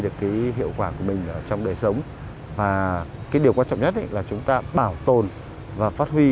được cái hiệu quả của mình trong đời sống và cái điều quan trọng nhất là chúng ta bảo tồn và phát huy